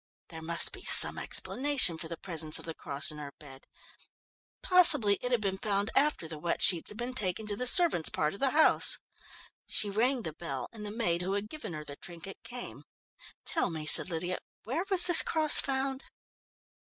There must be some explanation for the presence of the cross in her bed. Possibly it had been found after the wet sheets had been taken to the servants' part of the house. She rang the bell, and the maid who had given her the trinket came. "Tell me," said Lydia, "where was this cross found?"